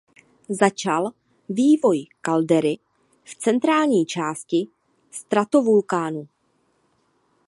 Začal vývoj kaldery v centrální části stratovulkánu.